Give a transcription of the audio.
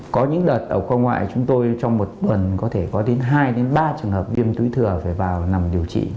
có những đợt ở khoa ngoại chúng tôi trong một tuần có thể có đến hai ba trường hợp viêm túi thừa phải vào nằm điều trị